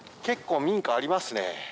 結構民家ありますね。